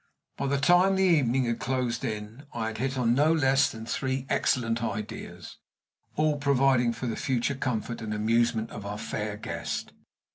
By the time the evening had closed in I had hit on no less than three excellent ideas, all providing for the future comfort and amusement of our fair guest.